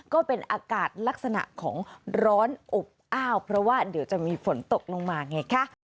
ก็เป็นอากาศลักษณะของร้อนอบอ้าวเพราะว่าเดี๋ยวจะมีฝนตกลงมาไงคะ